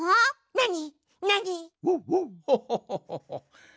なに？